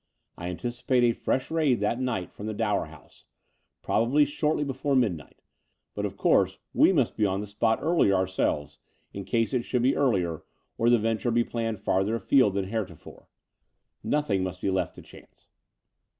I anticipate a fresh raid that night from the Dower House, probably shortly before midnight: but, of course, we must be upon the spot earlier ourselves in case it should be earlier or the venture be planned farther afield than heretofore. Nothing must be left to chance.'